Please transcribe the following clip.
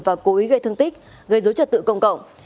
và cố ý gây thương tích gây dối trật tự công cộng